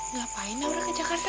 ngapain naura ke jakarta pak